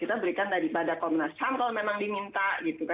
kita berikan daripada komnas ham kalau memang diminta